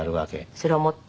それを持って。